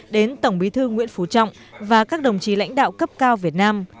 đến tổng bí thư nguyễn phú trọng và các đồng chí lãnh đạo cấp cao việt nam